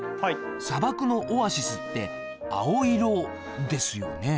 砂漠のオアシスって青色ですよねえ？